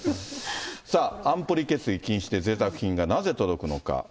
さあ、安保理決議禁止でぜいたく品がなぜ届くのか。